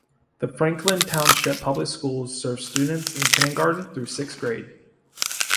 The Franklin Township Public Schools serve students in kindergarten through sixth grade.